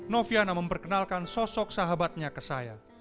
noviana memperkenalkan sosok sahabatnya ke saya